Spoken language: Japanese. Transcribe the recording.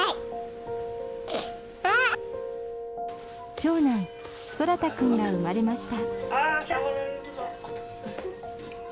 長男・空太君が生まれました。